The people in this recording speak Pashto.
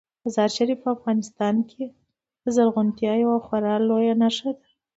مزارشریف په افغانستان کې د زرغونتیا یوه خورا لویه نښه ده.